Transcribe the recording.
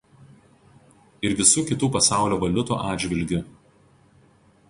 ir visų kitų pasaulio valiutų atžvilgiu